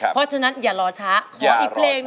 เพราะฉะนั้นอย่ารอช้าขออีกเพลงหนึ่ง